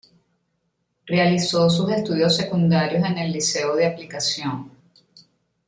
Realizó sus estudios secundarios en el Liceo de Aplicación.